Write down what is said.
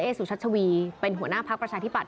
ดรเอ๊ะสุชัชวีเป็นหัวหน้าภักดิ์ประชาธิปัตย์